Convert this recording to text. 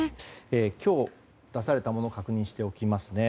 今日出されたものを確認しておきます。